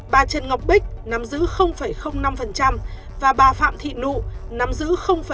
bà trần ngọc bích nắm giữ năm và bà phạm thị nụ nắm giữ